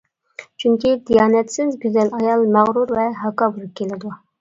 چۈنكى, دىيانەتسىز گۈزەل ئايال مەغرۇر ۋە ھاكاۋۇر كېلىدۇ.